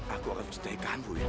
aku akan mencintai kamu ya